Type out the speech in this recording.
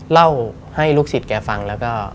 เล่าให้ลูกศิษย์แกฟังแล้วก็